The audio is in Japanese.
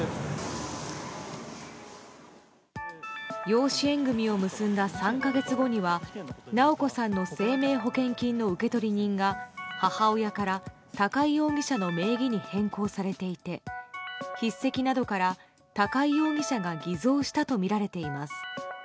養子縁組を結んだ３か月後には直子さんの生命保険金の受取人が母親から高井容疑者の名義に変更されていて、筆跡などから高井容疑者が偽造したとみられています。